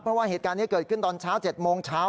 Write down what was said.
เพราะว่าเหตุการณ์นี้เกิดขึ้นตอนเช้า๗โมงเช้า